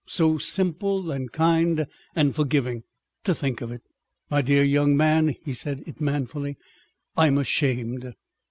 So simple and kind and forgiving! To think of it! My dear young man!"—he said it manfully—"I'm ashamed."